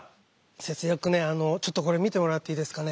節約ねあのちょっとこれ見てもらっていいですかね？